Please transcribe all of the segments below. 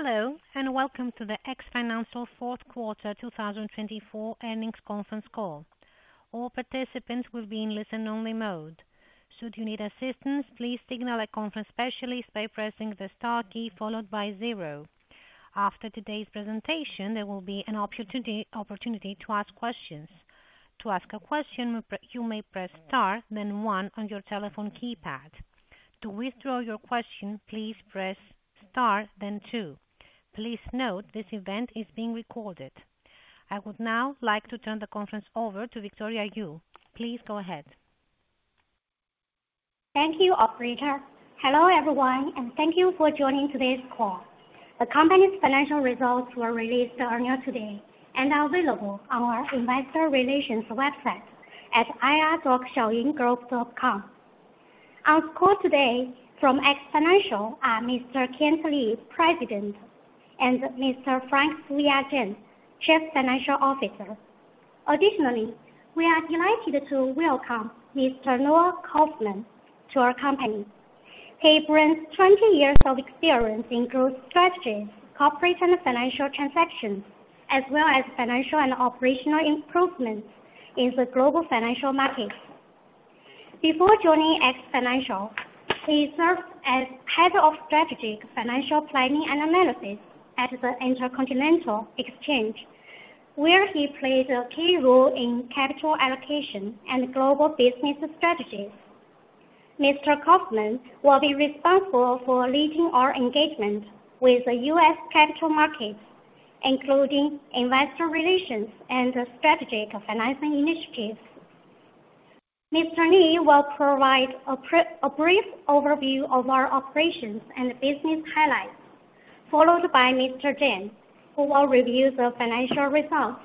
Hello, and welcome to the X Financial Fourth Quarter 2024 Earnings Conference Call. All participants will be in listen-only mode. Should you need assistance, please signal a conference specialist by pressing the star key followed by zero. After today's presentation, there will be an opportunity to ask questions. To ask a question, you may press star, then one, on your telephone keypad. To withdraw your question, please press star, then two. Please note this event is being recorded. I would now like to turn the conference over to Victoria Yu. Please go ahead. Thank you, Operator. Hello, everyone, and thank you for joining today's call. The company's financial results were released earlier today and are available on our investor relations website at ir.xiaoyingroup.com. Our call today from X Financial are Mr. Kan Li, President, and Mr. Frank Fuya Zheng, Chief Financial Officer. Additionally, we are delighted to welcome Mr. Noah Kaufman to our company. He brings 20 years of experience in growth strategies, corporate and financial transactions, as well as financial and operational improvements in the global financial markets. Before joining X Financial, he served as Head of Strategic Financial Planning and Analysis at the Intercontinental Exchange, where he played a key role in capital allocation and global business strategies. Mr. Kauffman will be responsible for leading our engagement with the U.S. capital markets, including investor relations and strategic financing initiatives. Mr. Li will provide a brief overview of our operations and business highlights, followed by Mr. Zheng, who will review the financial results.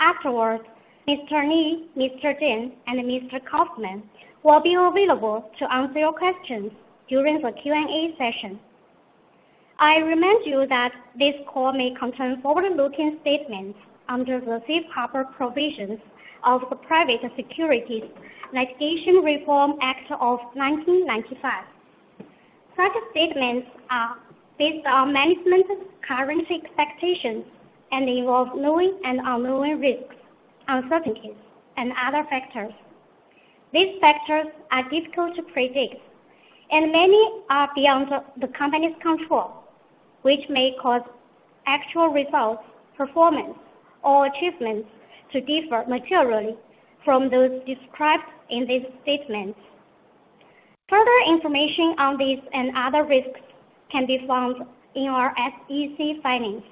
Afterwards, Mr. Li, Mr. Zheng, and Mr. Kaufman will be available to answer your questions during the Q&A session. I remind you that this call may contain forward-looking statements under the safe harbor provisions of the Private Securities Litigation Reform Act of 1995. Such statements are based on management's current expectations and involve known and unknown risks, uncertainties, and other factors. These factors are difficult to predict, and many are beyond the company's control, which may cause actual results, performance, or achievements to differ materially from those described in these statements. Further information on these and other risks can be found in our SEC filings.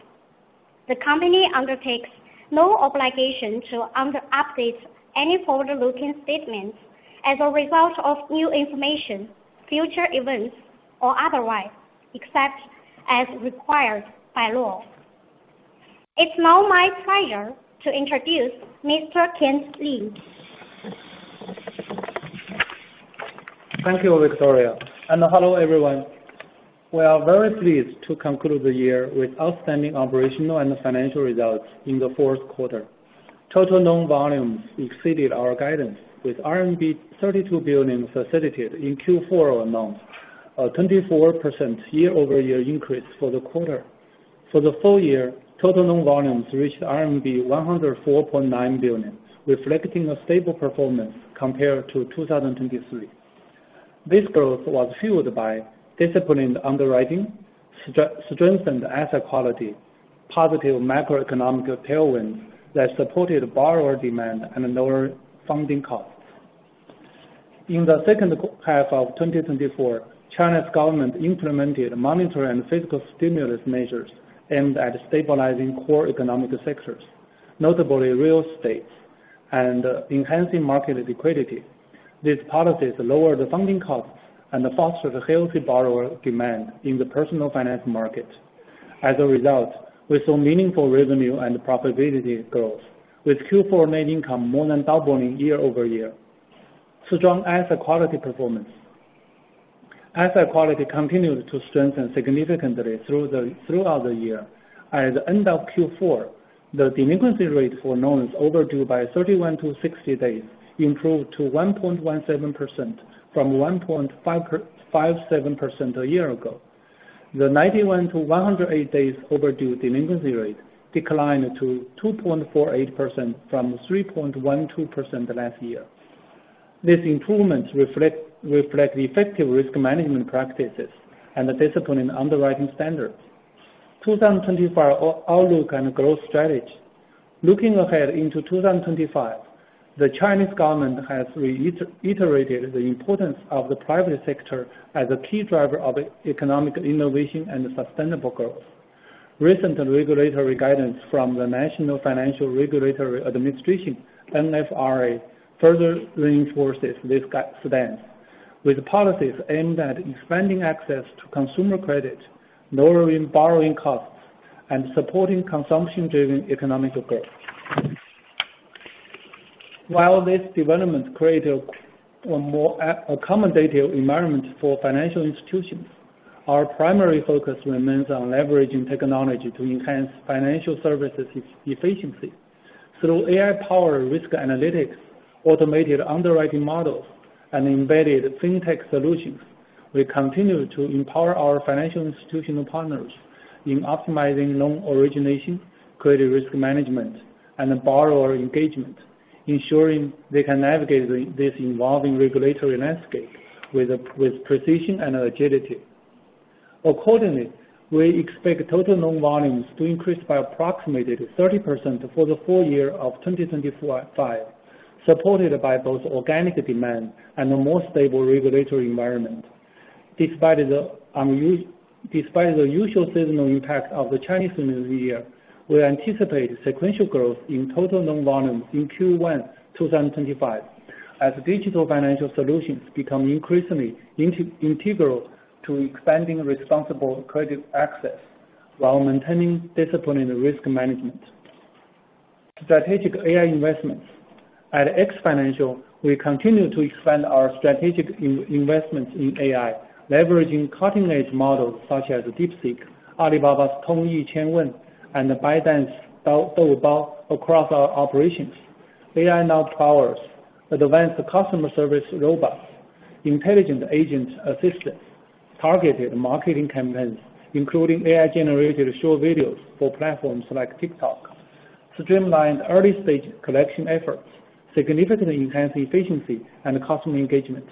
The company undertakes no obligation to update any forward-looking statements as a result of new information, future events, or otherwise, except as required by law. It's now my pleasure to introduce Mr. Kan Li. Thank you, Victoria. Hello, everyone. We are very pleased to conclude the year with outstanding operational and financial results in the fourth quarter. Total loan volumes exceeded our guidance, with RMB 32 billion facilitated in Q4 amount, a 24% year-over-year increase for the quarter. For the full year, total loan volumes reached RMB 104.9 billion, reflecting a stable performance compared to 2023. This growth was fueled by disciplined underwriting, strengthened asset quality, and positive macroeconomic tailwinds that supported borrower demand and lower funding costs. In the second half of 2024, China's government implemented monetary and fiscal stimulus measures aimed at stabilizing core economic sectors, notably real estate, and enhancing market liquidity. These policies lowered funding costs and fostered healthy borrower demand in the personal finance market. As a result, we saw meaningful revenue and profitability growth, with Q4 net income more than doubling year over year. Strong asset quality performance. Asset quality continued to strengthen significantly throughout the year. At the end of Q4, the delinquency rate for loans overdue by 31-60 days improved to 1.17% from 1.57% a year ago. The 91-180 days overdue delinquency rate declined to 2.48% from 3.12% last year. These improvements reflect effective risk management practices and disciplined underwriting standards. 2024 Outlook and Growth Strategy. Looking ahead into 2025, the Chinese government has reiterated the importance of the private sector as a key driver of economic innovation and sustainable growth. Recent regulatory guidance from the National Financial Regulatory Administration (NFRA) further reinforces this stance, with policies aimed at expanding access to consumer credit, lowering borrowing costs, and supporting consumption-driven economic growth. While these developments create a more accommodative environment for financial institutions, our primary focus remains on leveraging technology to enhance financial services efficiency. Through AI-powered risk analytics, automated underwriting models, and embedded fintech solutions, we continue to empower our financial institutional partners in optimizing loan origination, credit risk management, and borrower engagement, ensuring they can navigate this evolving regulatory landscape with precision and agility. Accordingly, we expect total loan volumes to increase by approximately 30% for the full year of 2025, supported by both organic demand and a more stable regulatory environment. Despite the usual seasonal impact of the Chinese New Year, we anticipate sequential growth in total loan volumes in Q1 2025, as digital financial solutions become increasingly integral to expanding responsible credit access while maintaining disciplined risk management. Strategic AI Investments. At X Financial, we continue to expand our strategic investments in AI, leveraging cutting-edge models such as DeepSeek, Alibaba's Tongyi Qianwen, and ByteDance's Doubao across our operations. AI now powers advanced customer service robots, intelligent agent assistants, targeted marketing campaigns, including AI-generated short videos for platforms like TikTok. Streamlined early-stage collection efforts significantly enhance efficiency and customer engagement.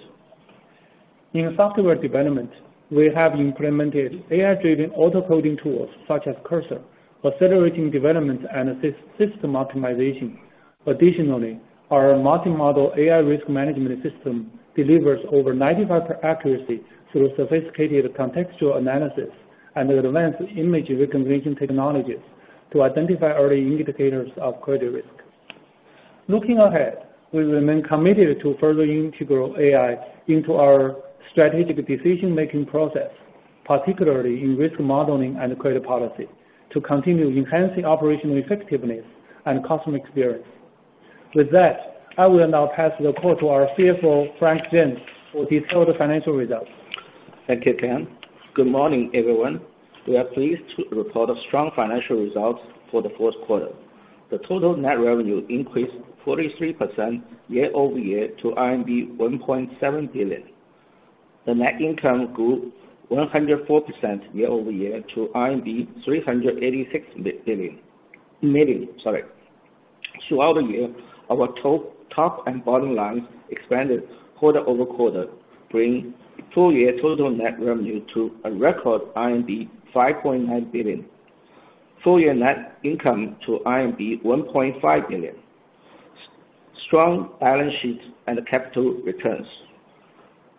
In software development, we have implemented AI-driven auto-coding tools such as Cursor, accelerating development and system optimization. Additionally, our multi-model AI risk management system delivers over 95% accuracy through sophisticated contextual analysis and advanced image recognition technologies to identify early indicators of credit risk. Looking ahead, we remain committed to further integrating AI into our strategic decision-making process, particularly in risk modeling and credit policy, to continue enhancing operational effectiveness and customer experience. With that, I will now pass the call to our CFO, Frank Zheng, for detailed financial results. Thank you, Kan. Good morning, everyone. We are pleased to report a strong financial result for the fourth quarter. The total net revenue increased 43% year-over-year to RMB 1.7 billion. The net income grew 104% year-over-year to RMB 386 million. Throughout the year, our top and bottom lines expanded quarter over quarter, bringing full-year total net revenue to a record 5.9 billion. Full-year net income to 1.5 billion. Strong balance sheets and capital returns.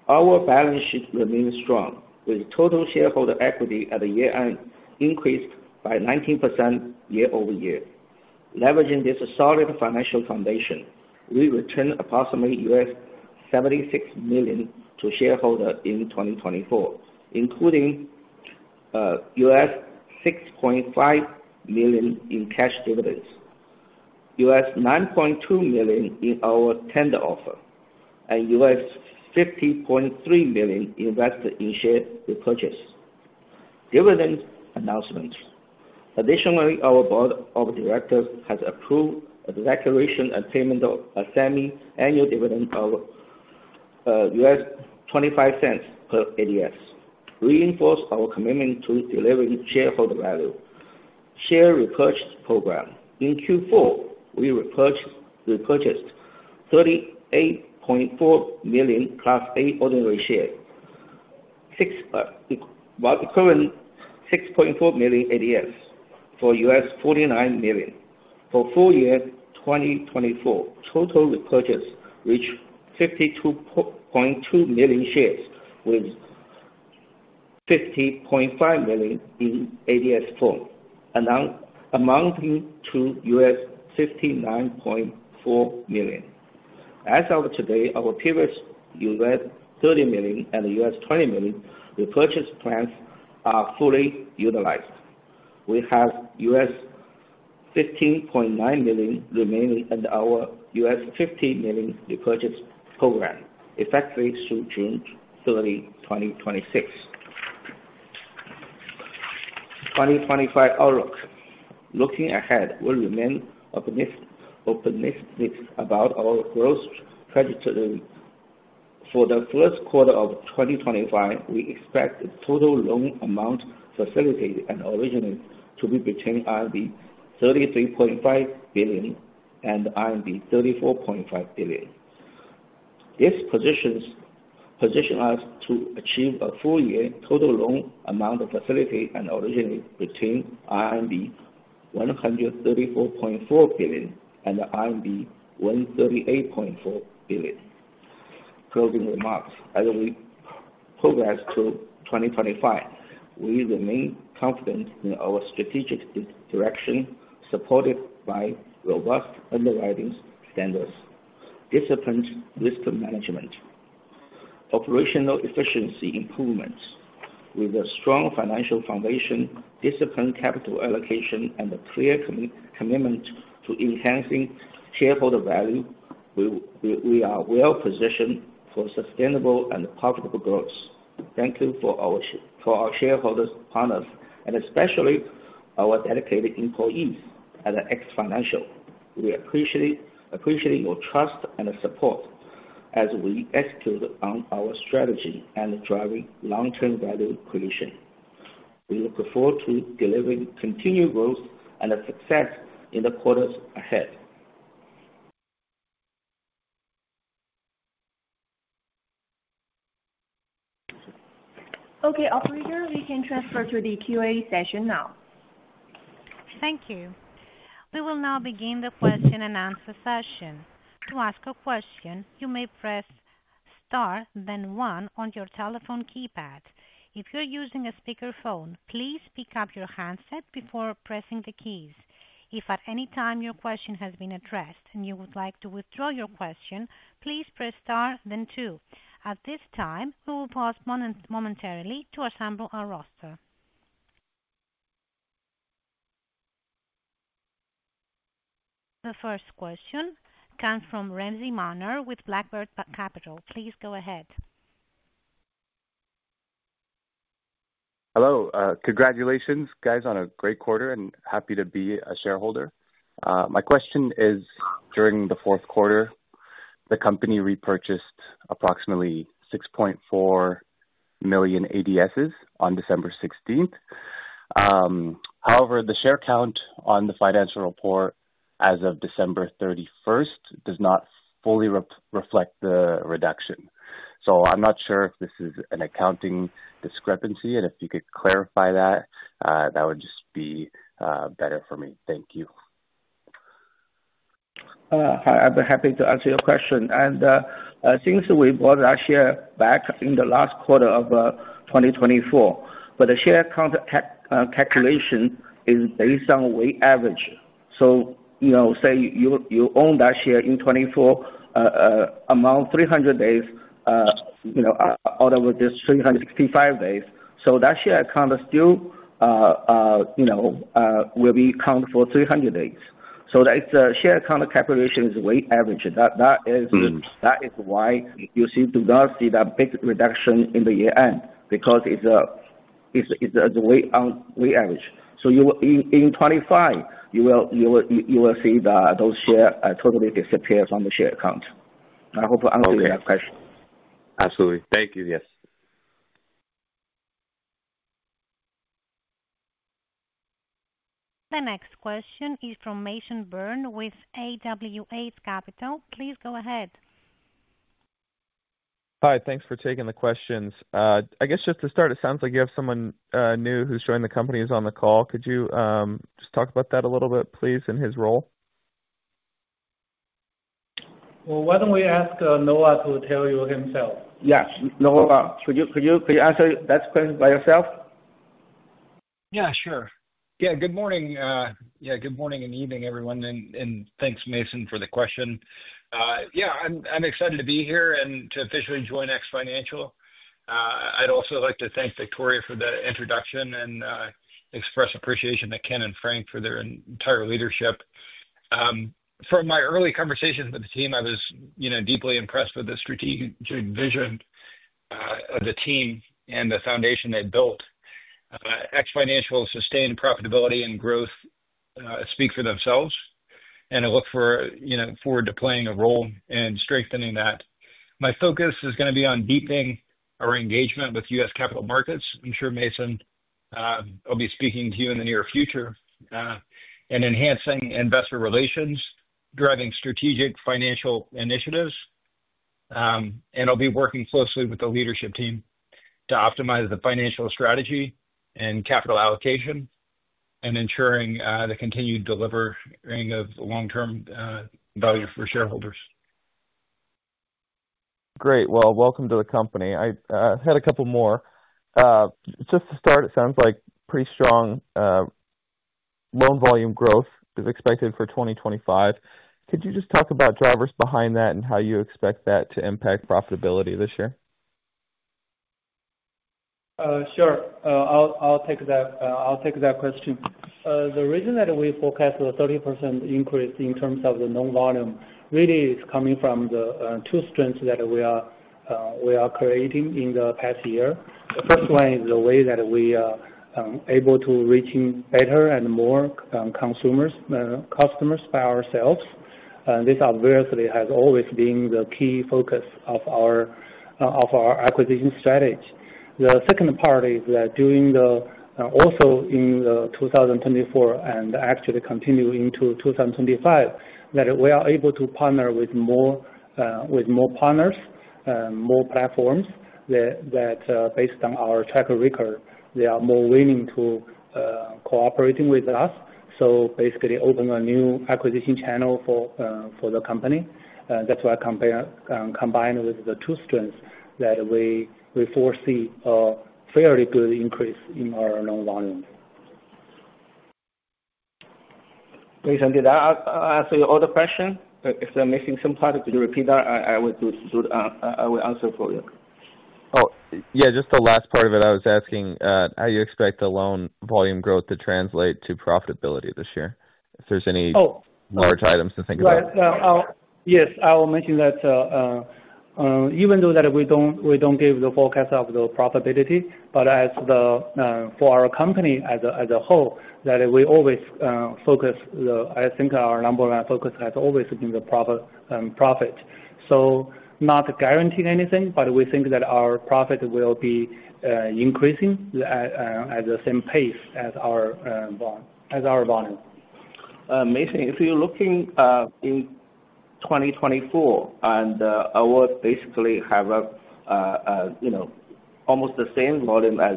Our balance sheet remains strong, with total shareholder equity at the year-end increased by 19% year-over-year. Leveraging this solid financial foundation, we returned approximately $76 million to shareholders in 2024, including $6.5 million in cash dividends, $9.2 million in our tender offer, and $50.3 million invested in share repurchase. Dividend announcements. Additionally, our Board of Directors has approved a declaration and payment of a semi-annual dividend of $0.25 per ADS, reinforcing our commitment to delivering shareholder value. Share repurchase program. In Q4, we repurchased 38.4 million Class A ordinary shares, while accruing 6.4 million ADS for $49 million. For full year 2024, total repurchase reached 52.2 million shares, with 50.5 million in ADS form, amounting to $59.4 million. As of today, our previous $30 million and $20 million repurchase plans are fully utilized. We have $15.9 million remaining in our $50 million repurchase program effectively through June 30, 2026. 2025 Outlook. Looking ahead, we remain optimistic about our growth trajectory. For the first quarter of 2025, we expect the total loan amount facilitated and originated to be between RMB 33.5 billion and RMB 34.5 billion. These positions position us to achieve a full-year total loan amount facilitated and originated between RMB 134.4 billion and RMB 138.4 billion. Closing remarks. As we progress through 2025, we remain confident in our strategic direction, supported by robust underwriting standards, disciplined risk management, and operational efficiency improvements. With a strong financial foundation, disciplined capital allocation, and a clear commitment to enhancing shareholder value, we are well-positioned for sustainable and profitable growth. Thank you for our shareholders, partners, and especially our dedicated employees at X Financial. We appreciate your trust and support as we execute on our strategy and drive long-term value creation. We look forward to delivering continued growth and success in the quarters ahead. Okay, operator, we can transfer to the Q&A session now. Thank you. We will now begin the question and answer session. To ask a question, you may press star, then one on your telephone keypad. If you're using a speakerphone, please pick up your handset before pressing the keys. If at any time your question has been addressed and you would like to withdraw your question, please press star, then two. At this time, we will pause momentarily to assemble our roster. The first question comes from Ramsey Ballastava with Blackbird Capital. Please go ahead. Hello. Congratulations, guys, on a great quarter, and happy to be a shareholder. My question is, during the fourth quarter, the company repurchased approximately 6.4 million ADSs on December 16. However, the share count on the financial report as of December 31 does not fully reflect the reduction. I am not sure if this is an accounting discrepancy, and if you could clarify that, that would just be better for me. Thank you. Hi, I'd be happy to answer your question. Since we bought that share back in the last quarter of 2024, the share count calculation is based on weighted average. Say you own that share in 2024, amount 300 days out of this 365 days. That share count still will be counted for 300 days. The share count calculation is weighted average. That is why you do not see that big reduction in the year-end because it is a weighted average. In 2025, you will see that those shares totally disappear from the share count. I hope I answered that question. Absolutely. Thank you. Yes. The next question is from Mason Bourne with AWH Capital. Please go ahead. Hi. Thanks for taking the questions. I guess just to start, it sounds like you have someone new who's joined the company who's on the call. Could you just talk about that a little bit, please, and his role? Why don't we ask Noah to tell you himself? Yes. Noah, could you answer that question by yourself? Yeah, sure. Yeah. Good morning. Yeah. Good morning and evening, everyone. Thanks, Mason, for the question. Yeah. I'm excited to be here and to officially join X Financial. I'd also like to thank Victoria for the introduction and express appreciation to Kan and Frank for their entire leadership. From my early conversations with the team, I was deeply impressed with the strategic vision of the team and the foundation they built. X Financial's sustained profitability and growth speak for themselves, and I look forward to playing a role in strengthening that. My focus is going to be on deepening our engagement with U.S. capital markets. I'm sure, Mason, I'll be speaking to you in the near future and enhancing investor relations, driving strategic financial initiatives. I will be working closely with the leadership team to optimize the financial strategy and capital allocation and ensuring the continued delivering of long-term value for shareholders. Great. Welcome to the company. I had a couple more. Just to start, it sounds like pretty strong loan volume growth is expected for 2025. Could you just talk about drivers behind that and how you expect that to impact profitability this year? Sure. I'll take that question. The reason that we forecast a 30% increase in terms of the loan volume really is coming from the two strengths that we are creating in the past year. The first one is the way that we are able to reach better and more consumers, customers by ourselves. This obviously has always been the key focus of our acquisition strategy. The second part is that during the also in 2024 and actually continue into 2025, that we are able to partner with more partners, more platforms that, based on our track record, they are more willing to cooperate with us. Basically open a new acquisition channel for the company. That's why combined with the two strengths that we foresee a fairly good increase in our loan volume. Mason, did I answer your other question? If I'm missing some part, could you repeat that? I will answer for you. Oh, yeah. Just the last part of it. I was asking how you expect the loan volume growth to translate to profitability this year, if there's any large items to think about. Yes. I will mention that even though we do not give the forecast of the profitability, for our company as a whole, we always focus, I think our number one focus has always been the profit. Not guaranteeing anything, but we think that our profit will be increasing at the same pace as our volume. Mason, if you're looking in 2024 and our basically have almost the same volume as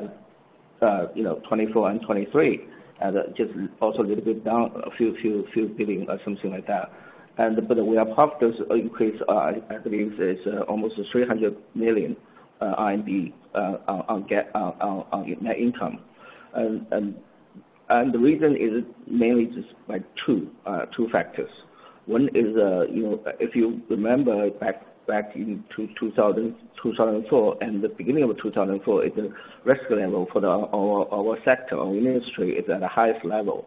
2024 and 2023, and just also a little bit down a few billion or something like that. We are positive increase I believe is almost 300 million RMB on net income. The reason is mainly just by two factors. One is if you remember back in 2004 and the beginning of 2004, the risk level for our sector, our industry is at the highest level.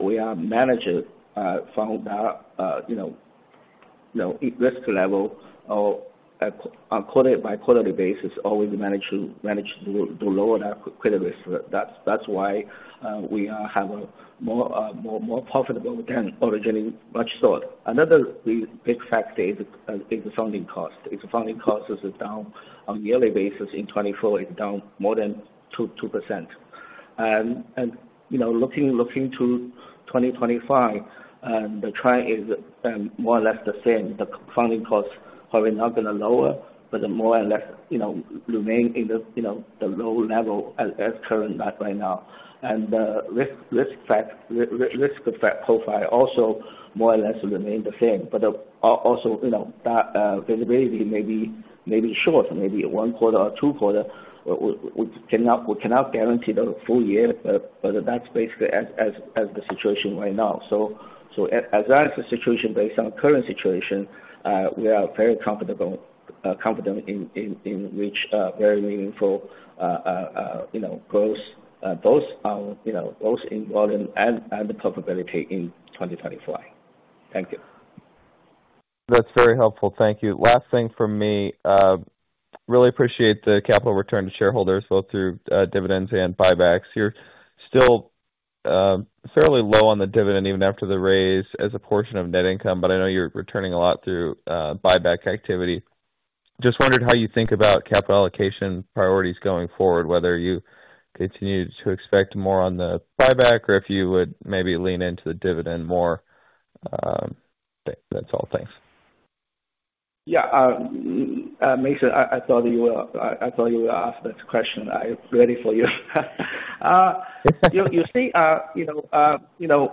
We are managed from that risk level on a quarter-by-quarter basis, always managed to lower that credit risk. That's why we have a more profitable than originally much thought. Another big factor is the funding cost. The funding cost is down on a yearly basis in 2024, it's down more than 2%. Looking to 2025, the trend is more or less the same. The funding costs are probably not going to lower, but more or less remain in the low level as current as right now. The risk effect profile also more or less remains the same. That visibility may be short, maybe one quarter or two quarter. We cannot guarantee the full year, but that's basically as the situation right now. As far as the situation based on current situation, we are very confident in reach very meaningful growth, both in volume and profitability in 2024. Thank you. That's very helpful. Thank you. Last thing for me. Really appreciate the capital return to shareholders, both through dividends and buybacks. You're still fairly low on the dividend even after the raise as a portion of net income, but I know you're returning a lot through buyback activity. Just wondered how you think about capital allocation priorities going forward, whether you continue to expect more on the buyback or if you would maybe lean into the dividend more. That's all. Thanks. Yeah. Mason, I thought you were asking that question. I'm ready for you. You see,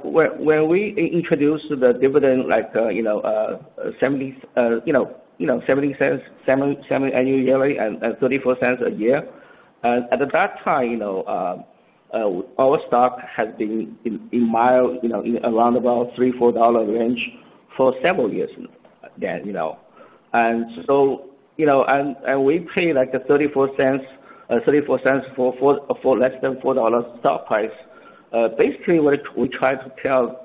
when we introduced the dividend like $0.70 annually and $0.34 a year, at that time, our stock has been in mild, around about $3-$4 range for several years then. We pay like $0.34 for less than $4 stock price. Basically, we try to tell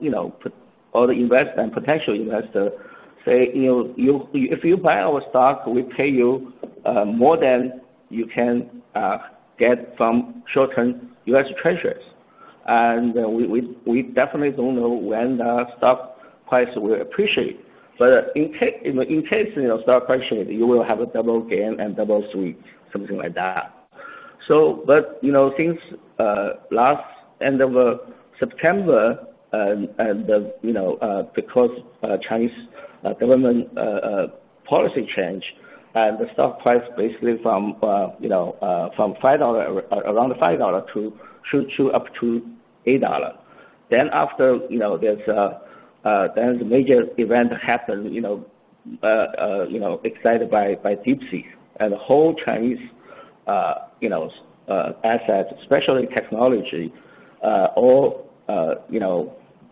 all the investors and potential investors, say, "If you buy our stock, we pay you more than you can get from short-term U.S. Treasuries." We definitely don't know when the stock price will appreciate. In case of stock appreciate, you will have a double gain and double sweep, something like that. Since last end of September and because of Chinese government policy change, the stock price basically from around $5 to up to $8. After there's a major event that happened, excited by DeepSeek, and the whole Chinese assets, especially technology, all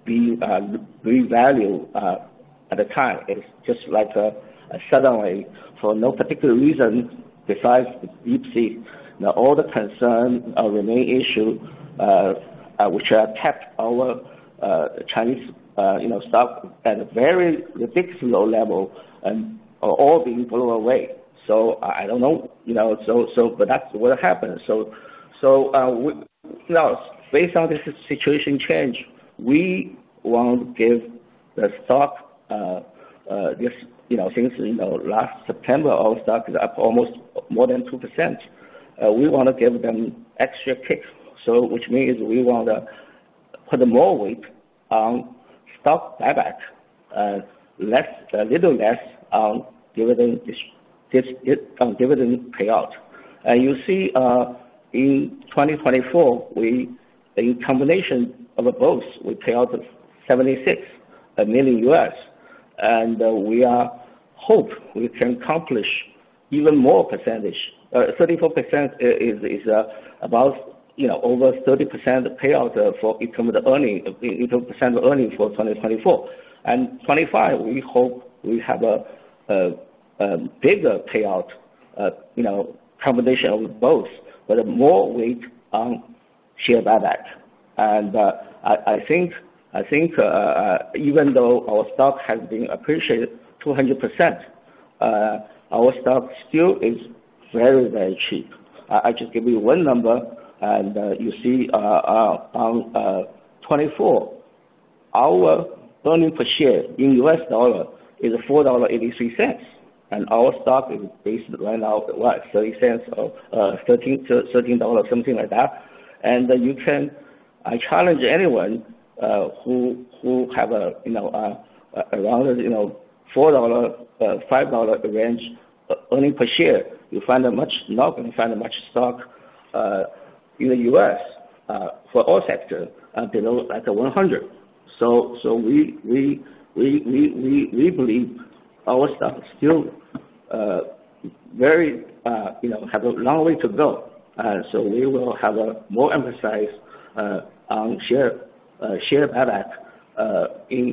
revalued at the time. It's just like suddenly, for no particular reason besides DeepSeek, all the concerns remain issues, which have kept our Chinese stock at a very low level and all being blown away. I don't know. That's what happened. Based on this situation change, we want to give the stock since last September, our stock is up almost more than 2%. We want to give them an extra kick, which means we want to put more weight on stock buyback, a little less on dividend payout. You see, in 2024, in combination of both, we pay out $76 million, and we hope we can accomplish even more percentage. 34% is about over 30% payout for in terms of earning for 2024. For 2025, we hope we have a bigger payout combination of both, but more weight on share buyback. I think even though our stock has appreciated 200%, our stock still is very, very cheap. I just give you one number, and you see in 2024, our earnings per share in US dollar is $4.83. Our stock is based right now at what? $0.30, $13, something like that. I challenge anyone who has around $4-$5 range earnings per share, you are not going to find much stock in the U.S. for our sector below like 100. We believe our stock still has a long way to go. We will have more emphasis on share buyback in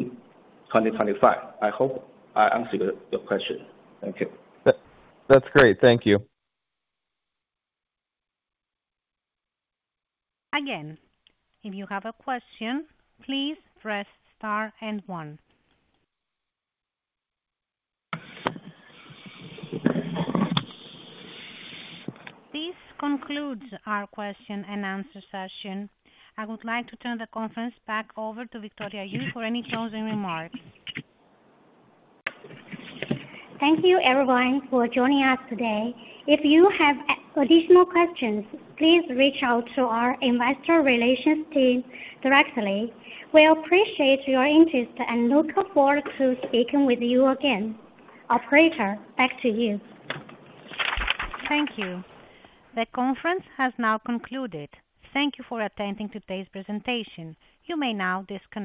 2025. I hope I answered your question. Thank you. That's great. Thank you. Again, if you have a question, please press star and one. This concludes our question and answer session. I would like to turn the conference back over to Victoria Yu for any closing remarks. Thank you, everyone, for joining us today. If you have additional questions, please reach out to our investor relations team directly. We appreciate your interest and look forward to speaking with you again. Operator, back to you. Thank you. The conference has now concluded. Thank you for attending today's presentation. You may now disconnect.